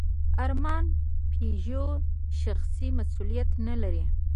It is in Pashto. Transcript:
ارمان پيژو شخصي مسوولیت نهلري.